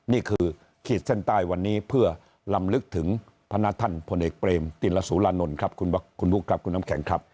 ขีดเส้นใต้วันนี้เพื่อลำลึกถึงพนักท่านพลเอกเปรมติลสุรานนท์ครับคุณบุ๊คครับคุณน้ำแข็งครับ